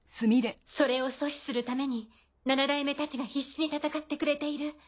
それを阻止するために七代目たちが必死に戦ってくれている。